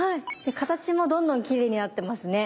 形もどんどんきれいになってますね。